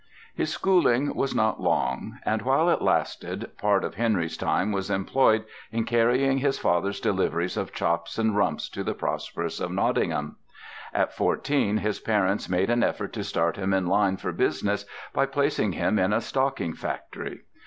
His schooling was not long; and while it lasted part of Henry's time was employed in carrying his father's deliveries of chops and rumps to the prosperous of Nottingham. At fourteen his parents made an effort to start him in line for business by placing him in a stocking factory.